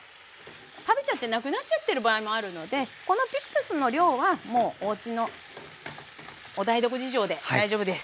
食べちゃってなくなっちゃってる場合もあるのでこのピクルスの量はもうおうちのお台所事情で大丈夫です。